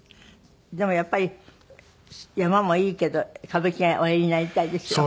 でもやっぱり山もいいけど歌舞伎がおやりになりたいでしょ。